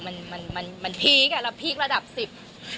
มันมันมันมันพีคอ่ะแล้วพีคระดับสิบ